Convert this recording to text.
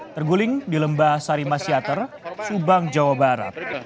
terguling di lembah sarimasyater subang jawa barat